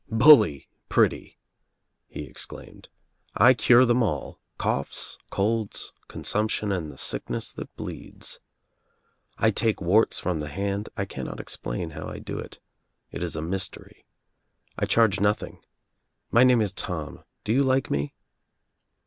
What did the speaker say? "Bully, pretty," he exclaimed. "I cure them all — coughs, colds, consumption and the sickness that bleeds. I take warts from the hand — I cannot explain how I do —it is a mystery — I charge nothing — my name ia f Tom — do you like me?"